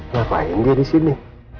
ngapain dia disini